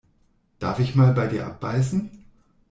Darf ich mal bei dir abbeißen?